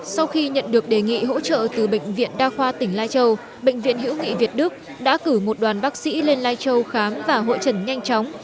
sau khi nhận được đề nghị hỗ trợ từ bệnh viện đa khoa tỉnh lai châu bệnh viện hiễu nghị việt đức đã cử một đoàn bác sĩ lên lai châu khám và hội trần nhanh chóng